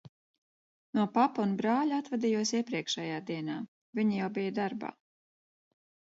No papa un brāļa atvadījos iepriekšējā dienā, viņi jau bija darbā.